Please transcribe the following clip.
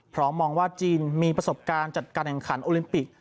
มองว่าจีนมีประสบการณ์จัดการแห่งขันโอลิมปิก